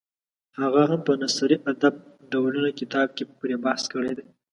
هغه هم په نثري ادب ډولونه کتاب کې پرې بحث کړی دی.